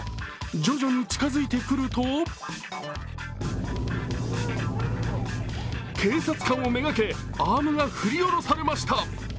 徐々に近づいてくると警察官を目がけ、アームが振りおろされました。